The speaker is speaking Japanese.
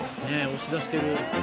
ねえ押し出してる。